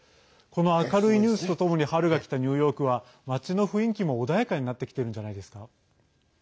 この明るいニュースとともに春がきたニューヨークは街の雰囲気も穏やかになってきてるんじゃないですか。